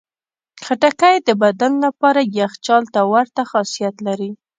خټکی د بدن لپاره یخچال ته ورته خاصیت لري.